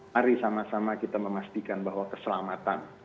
mari sama sama kita memastikan bahwa keselamatan